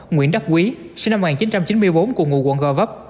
nguyễn đắc quý sinh năm một nghìn chín trăm chín mươi bốn cùng ngụ quận gò vấp